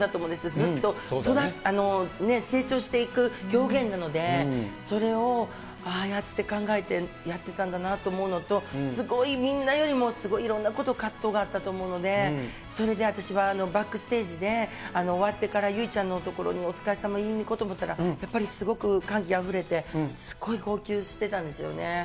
ずっと成長していく表現なので、それをああやって考えてやってたんだなと思うのと、すごいみんなよりもすごいいろんな葛藤があったと思うので、それで私はバックステージで、終わってから、由依ちゃんの所にお疲れさま言いに行こうと思ったら、やっぱりすごく歓喜あふれて、すごい号泣してたんですよね。